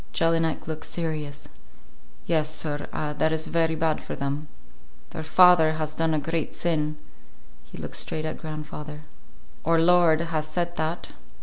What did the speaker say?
Jelinek looked serious. "Yes, sir, that is very bad for them. Their father has done a great sin," he looked straight at grandfather. "Our Lord has said that."